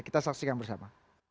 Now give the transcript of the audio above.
kita saksikan bersama